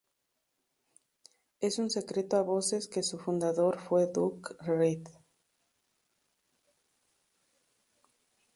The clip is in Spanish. Es un secreto a voces que su fundador fue Duke Red.